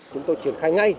chúng tôi chuyển khai ngay